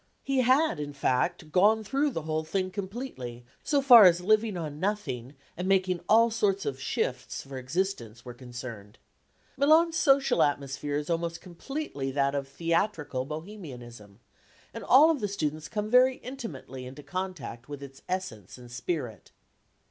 He had, in fact, gone through the whole thing completely, so far as living on nothing and making all sorts of shifts for existence were concerned. Milan's social atmosphere is almost completely that of theatrical Bohemianism, and all the students come very intimately into contact with its essence and spirit.